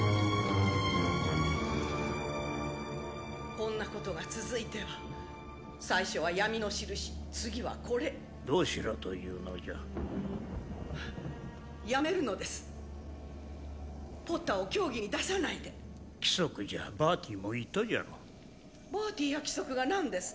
こんなことが続いては最初は闇の印次はこれどうしろというのじゃやめるのですポッターを競技に出さないで規則じゃバーティも言ったじゃろうバーティや規則が何です